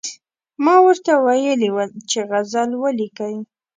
ما ورته ویلي ول چې غزل ولیکئ.